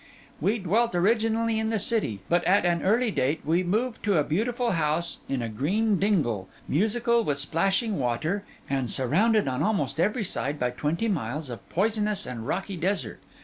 We dwelt originally in the city; but at an early date we moved to a beautiful house in a green dingle, musical with splashing water, and surrounded on almost every side by twenty miles of poisonous and rocky desert.